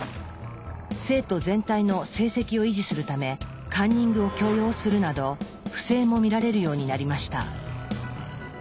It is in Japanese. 生徒全体の成績を維持するためカンニングを許容するなど不正も見られるようになりました。